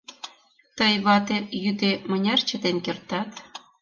Тый, вате, йӱде, мыняр чытен кертат?